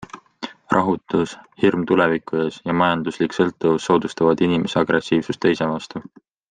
Rahutus, hirm tuleviku ees ja majanduslik sõltuvus soodustavad inimese agressiivsust teiste vastu.